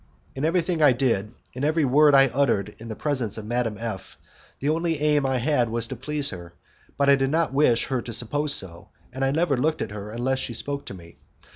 In everything I did, in every word I uttered, in the presence of Madame F , the only aim I had was to please her, but I did not wish her to suppose so, and I never looked at her unless she spoke to me.